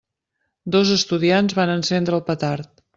Dos estudiants van encendre el petard.